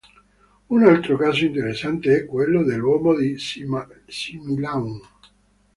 Un altro caso interessante è quello dell'uomo di Similaun.